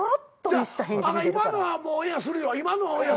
今のはオンエアするよ。